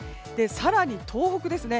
更に東北ですね